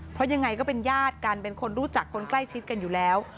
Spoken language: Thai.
เพราะยังไงก็เป็นญาติกันเป็นคนรู้จักคนใกล้ชิดกันอยู่แล้ว